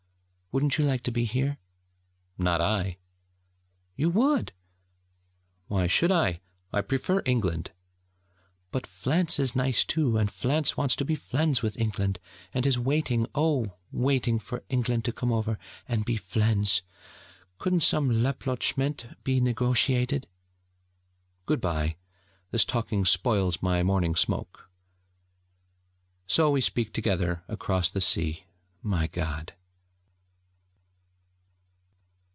Wouldn't you like to be here?' 'Not I.' 'You would!' 'Why should I? I prefer England.' 'But Flance is nice too: and Flance wants to be fliends with England, and is waiting, oh waiting, for England to come over, and be fliends. Couldn't some lapplochement be negotiated?' 'Good bye. This talking spoils my morning smoke....' So we speak together across the sea, my God.